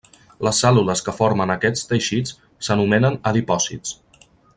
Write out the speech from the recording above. Les cèl·lules que formen aquests teixits s'anomenen adipòcits.